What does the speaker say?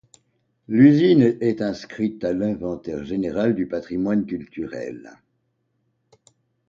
L'usine est inscrite à l'inventaire général du patrimoine culturel.